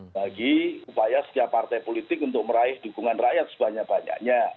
bagi upaya setiap partai politik untuk meraih dukungan rakyat sebanyak banyaknya